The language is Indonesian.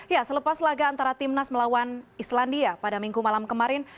ya selepas laga antara timnas melawan islandia pada minggu malam kemarin